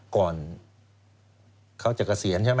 ก่อนเขาจะเกษียณใช่ไหม